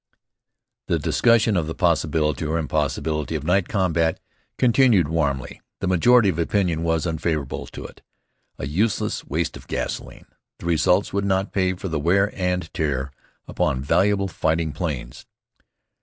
The discussion of the possibility or impossibility of night combat continued warmly. The majority of opinion was unfavorable to it: a useless waste of gasoline; the results would not pay for the wear and tear upon valuable fighting planes.